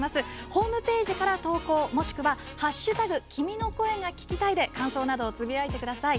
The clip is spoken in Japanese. ホームページから投稿、もしくは「＃君の声が聴きたい」で感想などをつぶやいてください。